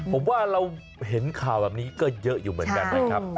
ผมว่าเราเห็นข่าวแบบนี้ก็เยอะอยู่เหมือนกันนะครับ